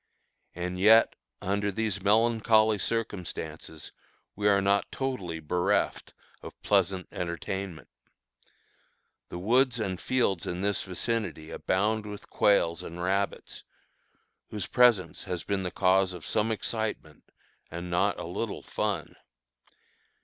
And yet under these melancholy circumstances we are not totally bereft of pleasant entertainment. The woods and fields in this vicinity abound with quails and rabbits, whose presence has been the cause of some excitement and not a little fun.